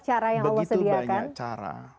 cara yang allah sediakan